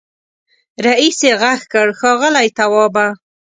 رئيسې غږ کړ ښاغلی توابه.